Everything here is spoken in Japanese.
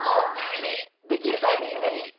できるタイミングでいい。